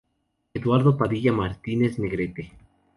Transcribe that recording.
Eduardo Padilla Martínez Negrete.